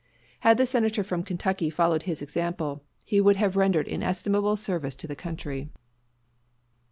Had the Senator from Kentucky followed the example, he would have rendered inestimable service to the country....